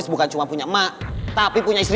gak ada yang kabur